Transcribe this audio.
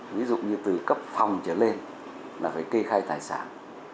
ví dụ như từ cấp phòng trở lên là phải kê khai tài sản